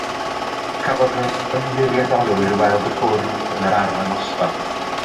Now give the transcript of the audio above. Cafodd yr ymddiriedolwyr weld y bwrdd yn yr arddangosfa.